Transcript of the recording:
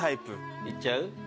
いっちゃう？